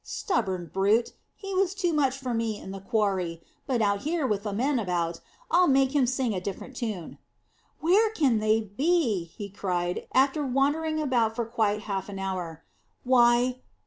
Stubborn brute! He was too much for me in the quarry, but out here with the men about, I'll make him sing a different tune." "Where can they be?" he cried, after wandering about for quite half an hour. "Why!